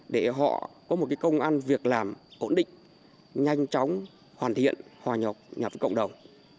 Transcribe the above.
để họ có một công ăn việc làm ổn định nhanh chóng hoàn thiện hòa nhập với cộng đồng